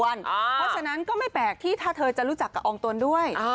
เพราะฉะนั้นก็ไม่แปลกที่ถ้าเธอจะรู้จักกับอองตนด้วย